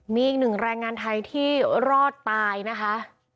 มีอีกหนึ่งแรงงานไทยที่รอดตายนะคะ